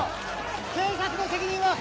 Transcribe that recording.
警察の責任は。